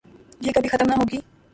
یہ کبھی ختم نہ ہوگی ۔